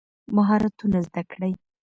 مهارتونه زده کړئ.